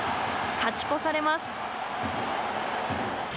勝ち越されます。